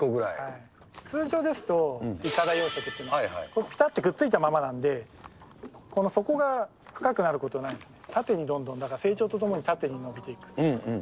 通常ですと、いかだ養殖っていうのは、ぴたってくっついたままなんで、この、底が深くなることはない、縦にどんどん、成長とともに縦に伸びていく。